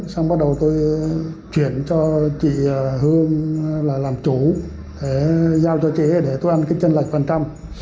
xong bắt đầu tôi chuyển cho chị hương là làm chủ để giao cho chị để tôi ăn cái chân lạch phần trăm